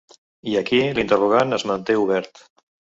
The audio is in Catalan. I aquí l’interrogant es manté obert.